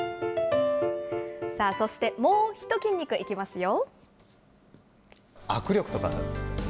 さあそして、もうひと筋肉いきますよ。